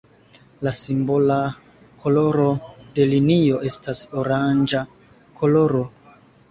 La simbola koloro de linio estas oranĝa koloro.